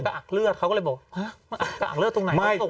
ก็อักเลือดเขาก็เลยบอกฮะกระอักเลือดตรงไหนไม่